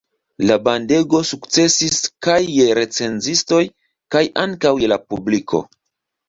La bandego sukcesis kaj je recenzistoj kaj ankaŭ je la publiko.